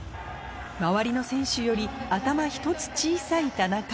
周りの選手より頭ひとつ小さい田中